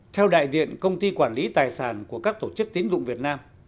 theo đại diện công ty quản lý tài sản của các tổ chức tín dụng việt nam